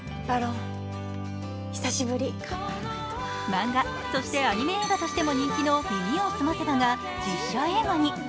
漫画そしてアニメ映画としても人気の「耳をすませば」が実写映画に。